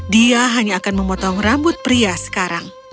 dia hanya akan memotong rambut pria sekarang